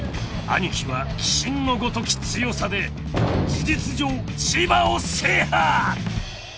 ［アニキは鬼神のごとき強さで事実上千葉を制覇！］